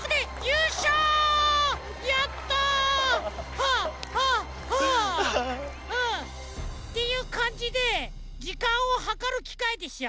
ハッハッハッハ！っていうかんじでじかんをはかるきかいでしょ？